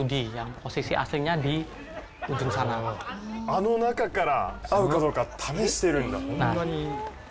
あの中から、合うかどうか試してるんだ。